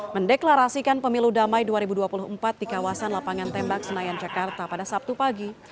mendeklarasikan pemilu damai dua ribu dua puluh empat di kawasan lapangan tembak senayan jakarta pada sabtu pagi